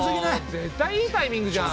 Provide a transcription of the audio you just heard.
絶対いいタイミングじゃん！